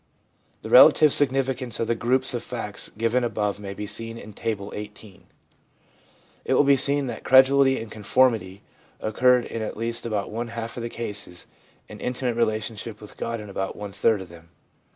The relative significance of the groups of facts given above may be seen in Table XVIII. It will be seen that credulity and conformity occurred in at least about one half of the cases, and intimate re lationship with God in about one third of them.